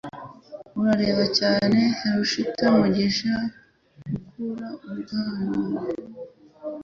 Urareba cyane hirsute, Mugisha ukura ubwanwa?